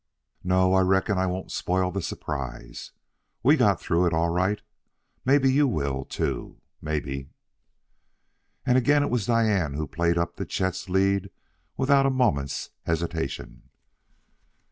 "No, I reckon I won't spoil the surprise. We got through it all right; maybe you will, too maybe!" And again it was Diane who played up to Chet's lead without a moment's hesitation.